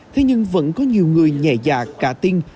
thế nhưng vẫn có nhiều người nhẹ dạ cả tin